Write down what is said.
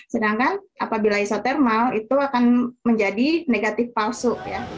sedangkan apabila isotermal itu akan menjadi negatif palsu